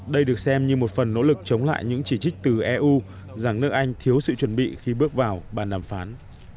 đây được xem như một phần nỗ lực chống lại những chỉ trích từ eu rằng nước anh thiếu sự chuẩn bị khi bước vào bàn đàm phán